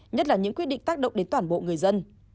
nhất là những quyết định tác động đến toàn bộ người dân